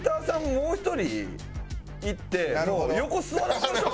もう１人行って横座らせましょうか。